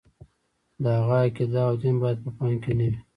د هغه عقیده او دین باید په پام کې نه وي.